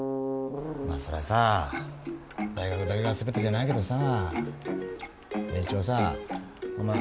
まあそりゃさ大学だけが全てじゃないけどさ一応さお前。